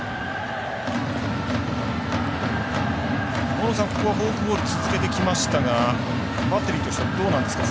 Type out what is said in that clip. ここはフォークボール続けてきましたがバッテリーとしてはどうなんですか。